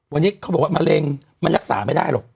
วันนี้เขาบอกว่ามะเร็งมันรักษาไม่ได้หรอก